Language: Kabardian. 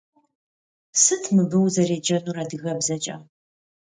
Sıt mıbı vuzerêcenur adıgebzeç'e?